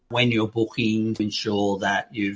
ketika anda mencari penyelamatan